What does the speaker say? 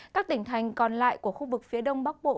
các tỉnh thành còn lại của khu vực phía đông bắc bộ